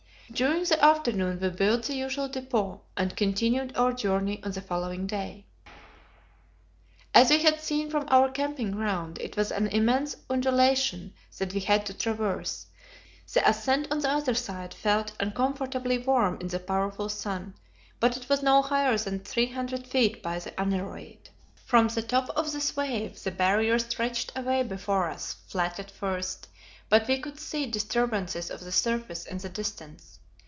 During the afternoon we built the usual depot, and continued our journey on the following day. As we had seen from our camping ground, it was an immense undulation that we had to traverse; the ascent on the other side felt uncomfortably warm in the powerful sun, but it was no higher than 300 feet by the aneroid. From the top of this wave the Barrier stretched away before us, flat at first, but we could see disturbances of the surface in the distance.